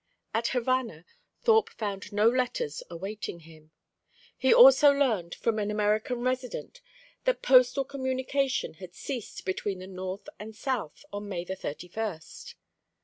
At Havana, Thorpe found no letters awaiting him. He also learned from an American resident that postal communication had ceased between the North and South on May 31st.